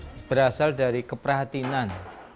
awalnya berasal dari keperhatinan